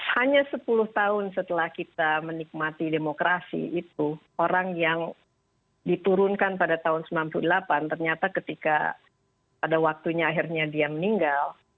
hanya sepuluh tahun setelah kita menikmati demokrasi itu orang yang diturunkan pada tahun seribu sembilan ratus sembilan puluh delapan ternyata ketika pada waktunya akhirnya dia meninggal